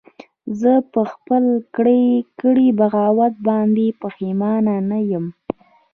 زه په خپل کړي بغاوت باندې پښیمانه نه یم